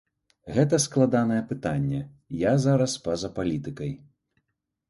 Гэта складанае пытанне, я зараз па-за палітыкай.